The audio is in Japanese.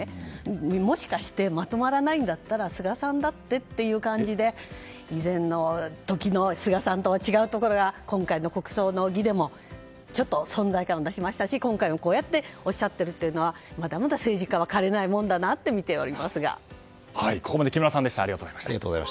もしかしてまとまらないんだったら菅さんだってって感じで以前の菅さんと違うところが今回の国葬の儀でもちょっと存在感を出しましたし今回もこうやっておっしゃっているのはまだまだ政治家は枯れないものだなと思って見てましたが。